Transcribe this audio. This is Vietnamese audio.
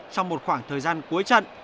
trong một khoảng thời gian cuối trận